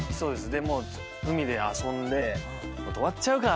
で海で遊んで泊まっちゃうか！